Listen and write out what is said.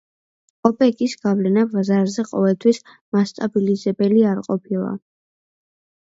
ოპეკის გავლენა ბაზარზე ყოველთვის მასტაბილიზებელი არ ყოფილა.